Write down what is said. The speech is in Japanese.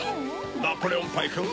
ナポレオンパイくん